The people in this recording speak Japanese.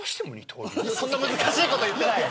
そんな難しいこと言ってない。